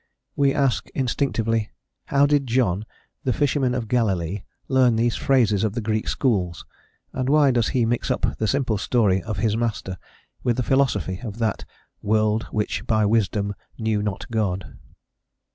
We ask instinctively, "How did John, the fisherman of Galilee, learn these phrases of the Greek schools, and why does he mix up the simple story of his master with the philosophy of that 'world which by wisdom knew not God?'"